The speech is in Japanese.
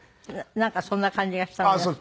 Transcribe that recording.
なんかそんな感じがしたのよ。